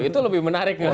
itu lebih menarik